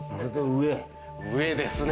上ですね。